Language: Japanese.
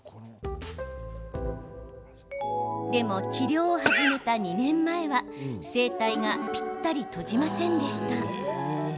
でも、治療を始めた２年前は声帯がぴったり閉じませんでした。